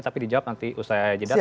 tapi dijawab nanti ustaz ayah jeddah